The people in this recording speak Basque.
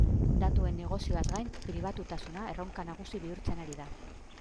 Datuen negozioaz gain, pribatutasuna erronka nagusi bihurtzen ari da.